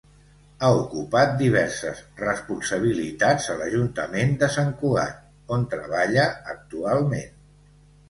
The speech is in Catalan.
Ha ocupat diverses responsabilitats a l’Ajuntament de Sant Cugat, on treballa actualment.